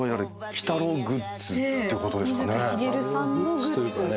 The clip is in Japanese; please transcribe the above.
『鬼太郎』グッズというかね